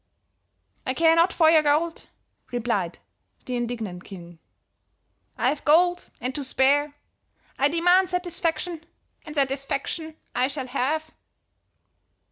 "'I care not for your gold,' replied the indignant king; 'I have gold and to spare. I demand satisfaction, and satisfaction I shall have.'